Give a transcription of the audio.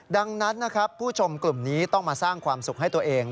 ดังนั้นนะครับผู้ชมกลุ่มนี้ต้องมาสร้างความสุขให้ตัวเอง